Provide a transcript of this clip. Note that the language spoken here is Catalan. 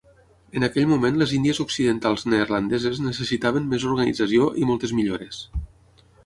En aquell moment les Índies occidentals neerlandeses necessitaven més organització i moltes millores.